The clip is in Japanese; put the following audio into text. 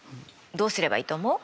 どうすればいいと思う？